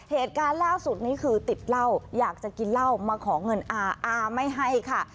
เหตุการณ์ล่าสุดนี้คือติดเหล้าอยากจะกินเหล้ามาขอเงินอาอาไม่ให้ค่ะ